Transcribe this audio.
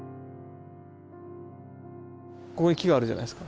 ここに木があるじゃないですか。